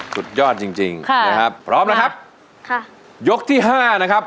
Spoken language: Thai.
สุดยอดจริงนะครับพร้อมนะครับยกที่๕นะครับ